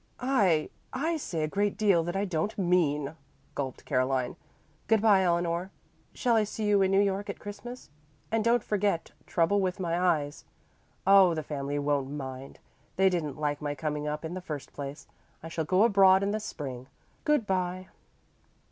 "I I say a great deal that I don't mean," gulped Caroline. "Good bye, Eleanor. Shall I see you in New York at Christmas? And don't forget trouble with my eyes. Oh, the family won't mind. They didn't like my coming up in the first place. I shall go abroad in the spring. Good bye."